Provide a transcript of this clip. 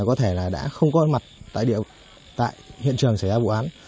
có thể là đã không có mặt tại địa bàn tại hiện trường xảy ra vụ án